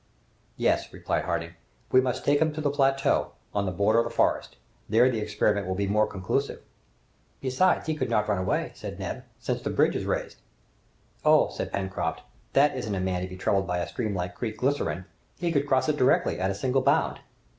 "Yes," replied Harding, "we must take him to the plateau, on the border of the forest. There the experiment will be more conclusive." "Besides, he could not run away," said Neb, "since the bridge is raised." "Oh!" said Pencroft, "that isn't a man to be troubled by a stream like Creek Glycerine! He could cross it directly, at a single bound!"